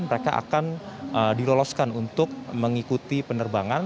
mereka akan diloloskan untuk mengikuti penerbangan